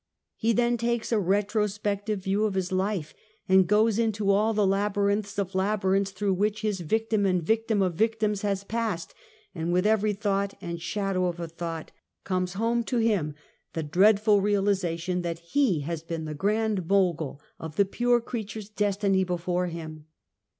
He then takes a retrospective view of his life and goes into all the labyrinths of labyrinths through which his victim and victim of victims has passed, and with €very thought and shadow of a thought, comes SOCIAL EVIL. 85 liome to him the dreadful realization that he has been the grand mogul of the pure creatures destiny before him.